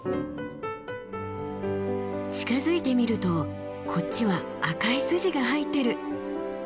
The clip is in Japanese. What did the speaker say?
近づいてみるとこっちは赤い筋が入ってる。